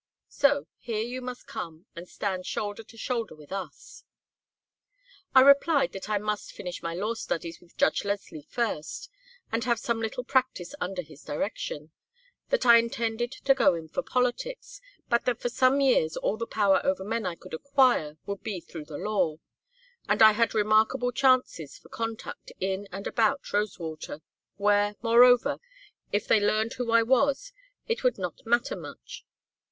So, here you must come, and stand shoulder to shoulder with us.' "I replied that I must finish my law studies with Judge Leslie first, and have some little practice under his direction; that I intended to go in for politics, but that for some years all the power over men I could acquire would be through the law and I had remarkable chances for contact in and about Rosewater; where, moreover, if they learned who I was it would not matter much.